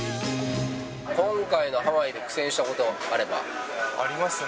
今回のハワイで苦戦したこと、ありますね。